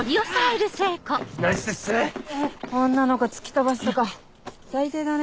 女の子突き飛ばすとか最低だね。